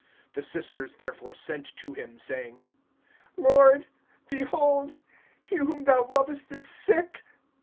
(3)The sisters therefore sent to him, saying: Lord, behold, he whom thou lovest is sick.